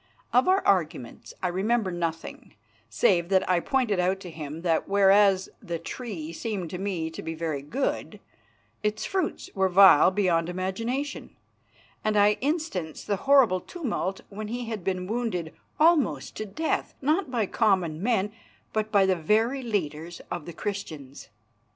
Of our arguments I remember nothing, save that I pointed out to him that whereas the tree seemed to me to be very good, its fruits were vile beyond imagination, and I instanced the horrible tumult when he had been wounded almost to death, not by common men, but by the very leaders of the Christians.